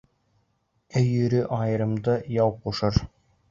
Өйөрө айырымды яу ҡушыр.